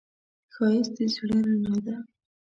ښایست د زړه رڼا ده